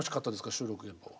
収録現場は。